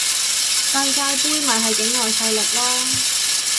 世界盃咪係境外勢力囉